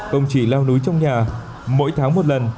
không chỉ leo núi trong nhà mỗi tháng một lần